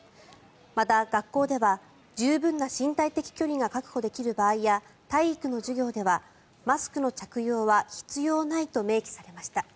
また、学校では十分な身体的距離が確保できる場合や体育の授業ではマスクの着用は必要ないと明記されました。